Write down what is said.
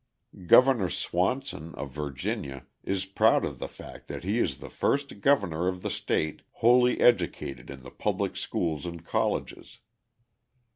Governor Swanson of Virginia is proud of the fact that he is the first governor of the state wholly educated in the public schools and colleges.